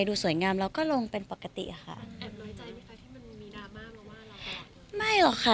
ดูสวยงามเราก็ลงเป็นปกติค่ะแบบมีราบมากหรือเปล่าไม่หรอกค่ะ